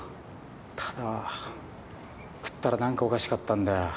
ただ食ったら何かおかしかったんだよ。